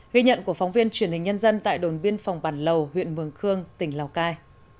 ghi nhận của phóng viên truyền hình nhân dân tại đồn biên phòng bản lầu huyện mường khương tỉnh lào cai